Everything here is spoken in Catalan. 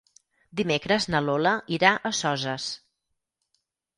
Dimecres na Lola irà a Soses.